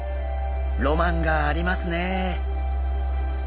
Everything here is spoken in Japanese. ロマンがありますね。